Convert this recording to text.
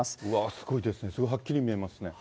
すごいですね、すごいはっきり見えますね。